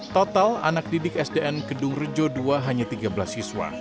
total anak didik sdn kedung rejo ii hanya tiga belas siswa